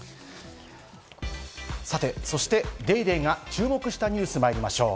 さて、そして『ＤａｙＤａｙ．』が注目したニュースまいりましょう。